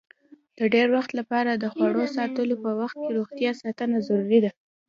د ډېر وخت لپاره د خوړو ساتلو په وخت روغتیا ساتنه ضروري ده.